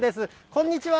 こんにちは。